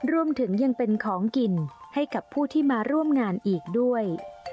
รวมถึงยังเป็นของกินให้กับผู้ที่มาร่วมงานอีกด้วย